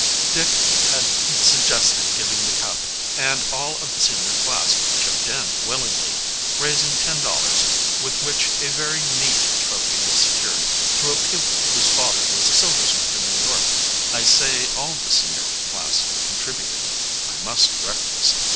Dick had suggested giving the cup, and all of the senior class "chipped in" willingly, raising ten dollars, with which a very neat trophy was secured through a pupil whose father was a silversmith in New York. I say all the senior class contributed. I must correct this.